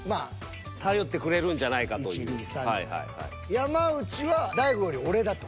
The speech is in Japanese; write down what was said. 山内は大悟より俺だと。